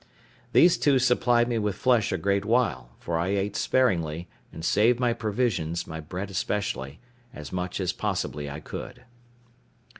These two supplied me with flesh a great while, for I ate sparingly, and saved my provisions, my bread especially, as much as possibly I could.